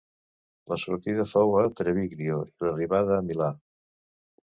La sortida fou a Treviglio i l'arribada a Milà.